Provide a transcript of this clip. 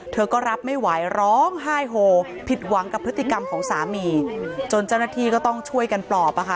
เธอก็รับไม่ไหวร้องไห้โฮผิดหวังกับพฤติกรรมของสามีจนเจ้าหน้าที่ก็ต้องช่วยกันปลอบอะค่ะ